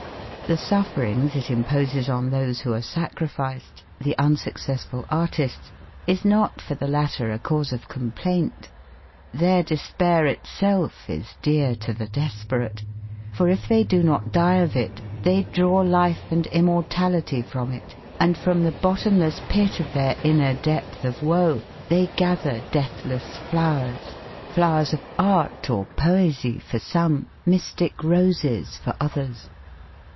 The sufferings it imposes on those who are sacrificed, the unsuccessful artists, is not for the latter a cause of complaint. Their despair itself is dear to the desperate; for if they do not die of it, they draw life and immortality from it and from the bottomless pit of their inner depth of woe, they gather deathless flowers, flowers of art or poesy for some, mystic roses for others.